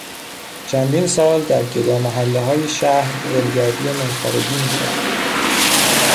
چندین سال در گدا محلههای شهر ولگردی و میخوارگی میکرد.